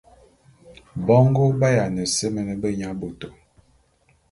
Bongo ba’ayiana seme beyaboto.